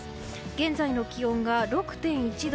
現在の気温が６．１度。